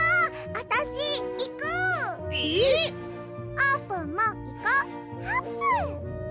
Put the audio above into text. あーぷんもいこ！あぷん！